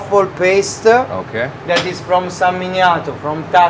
ธุระจำของสังเกตุรธของธรรมดา